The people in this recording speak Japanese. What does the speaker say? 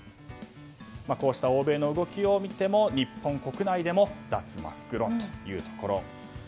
こうした欧米の動きを見ても日本国内でも脱マスク論というところ。